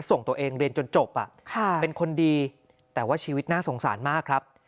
ส่งตัวเองเรียนจนจบเป็นคนดีแต่ว่าชีวิตน่าสงสารมากครับ